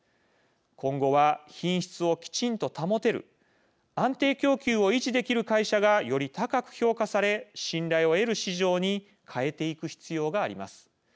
今後は、品質をきちんと保てる安定供給を維持できる会社がより高く評価され信頼を得る市場に変えていく必要があります。